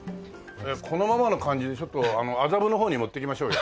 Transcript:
このままの感じでちょっと麻布の方に持っていきましょうよ。